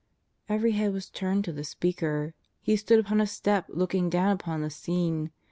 Every head was turned to the Speaker. He stood upon a step looking down upon the scene.